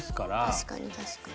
確かに確かに。